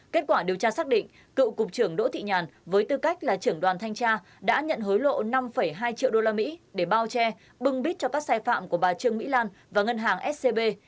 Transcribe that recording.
kết quả điều tra xác định cựu cục trưởng đỗ thị nhàn với tư cách là trưởng đoàn thanh tra đã nhận hối lộ năm hai triệu usd để bao che bưng bít cho các sai phạm của bà trương mỹ lan và ngân hàng scb